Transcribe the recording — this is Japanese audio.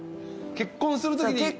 結婚するときに。